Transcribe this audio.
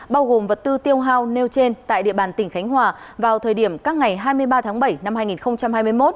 bao gồm vật tư tiêu hao nêu trên tại địa bàn tỉnh khánh hòa vào thời điểm các ngày hai mươi ba tháng bảy năm hai nghìn hai mươi một